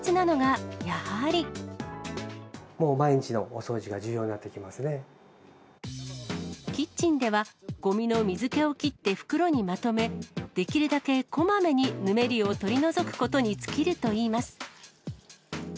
毎日のお掃除が重要になってキッチンでは、ごみの水けを切って袋にまとめ、できるだけこまめにぬめりを取り除くことに尽きるといいます。